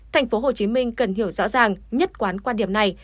thành phố hồ chí minh cần hiểu rõ ràng nhất quán quan điểm này